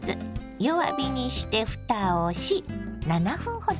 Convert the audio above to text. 弱火にしてふたをし７分ほど焼いてね。